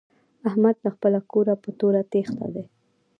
احمد له خپله کوره په توره تېښته دی.